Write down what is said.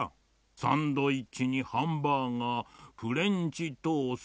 サンドイッチにハンバーガーフレンチトースト